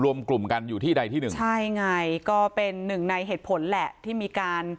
รวมกลุ่มกันอยู่ที่ใดที่หนึ่งใช่ไงก็เป็นหนึ่งในเหตุผลแหละที่มีการ